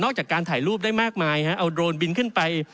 จากการถ่ายรูปได้มากมายเอาโดรนบินขึ้นไป